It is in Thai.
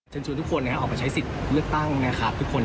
ชวนทุกคนออกมาใช้สิทธิ์เลือกตั้งนะครับทุกคน